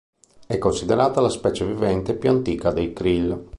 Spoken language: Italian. È considerata la specie vivente più antica dei krill.